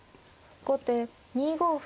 後手２五歩。